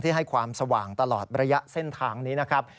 ให้ความสว่างตลอดระยะเส้นทางนี้นะครับ